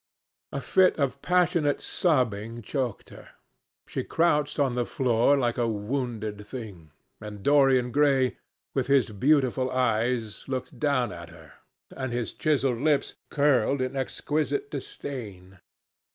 A fit of passionate sobbing choked her. She crouched on the floor like a wounded thing, and Dorian Gray, with his beautiful eyes, looked down at her, and his chiselled lips curled in exquisite disdain.